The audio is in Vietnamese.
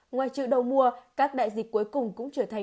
ngoài trự đậu mùa các đại dịch cuối cùng cũng trở thành